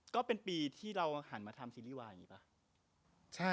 ก็เป็นปีที่เราหันมาทำซีรีส์วายมั้ยคะ